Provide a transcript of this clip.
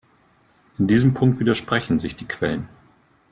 In diesem Punkt widersprechen sich die Quellen.